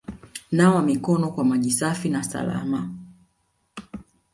Nawa mikono kwa maji safi na salama